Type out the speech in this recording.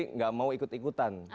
tidak mau ikut ikutan